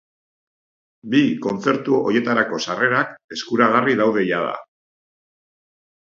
Bi kontzertu horietarako sarrerak eskuragarri daude jada.